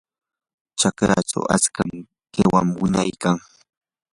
raqrachaw achka qiwan wiñaykan.